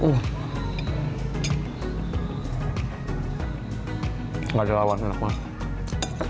nggak jelawan enak banget